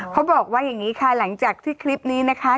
เขาบอกว่าอย่างนี้ค่ะหลังจากที่คลิปนี้นะคะ